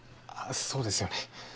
あっそうですよね。